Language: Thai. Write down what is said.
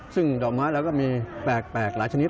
ซึ่งดอกไม้เราก็มีแปลกหลายชนิด